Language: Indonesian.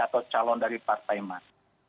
atau calon dari partai mana